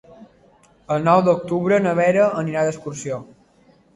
El nou d'octubre na Vera anirà d'excursió.